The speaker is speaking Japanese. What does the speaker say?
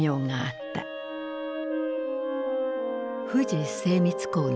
富士精密工業。